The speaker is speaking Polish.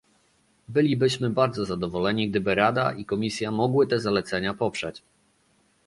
Bylibyśmy bardzo zadowoleni, gdyby Rada i Komisja mogły te zalecenia poprzeć